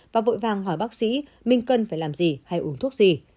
và vội vàng hỏi bác sĩ mình cần phải làm gì hay uống thuốc gì